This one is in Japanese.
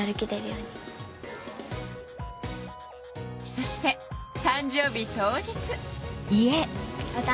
そして誕生日当日。